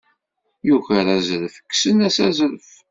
Yuker aẓref, kksen-as azref.